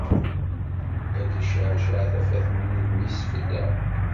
Ad d-icceɛceɛ tafat n wudem-is fell-aɣ.